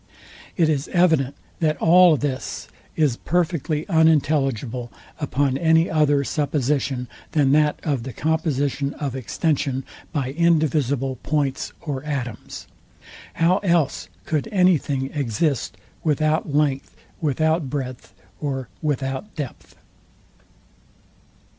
It is evident that all this is perfectly unintelligible upon any other supposition than that of the composition of extension by indivisible points or atoms. How else could any thing exist without length, without breadth, or without depth?